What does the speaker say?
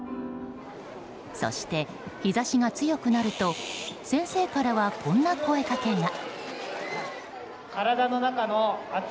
そして、日差しが強くなると先生からはこんな声かけが。